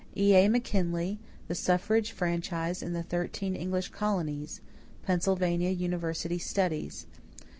A.E. McKinley, The Suffrage Franchise in the Thirteen English Colonies (Pennsylvania University Studies).